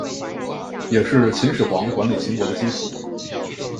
也是秦始皇管理秦国的基础。